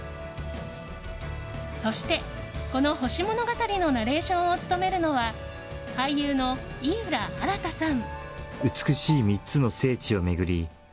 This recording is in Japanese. そして、この星物語のナレーションを務めるのは俳優の井浦新さん。